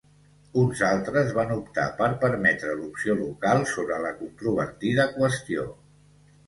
Uns altres van optar per permetre l'opció local sobre la controvertida qüestió.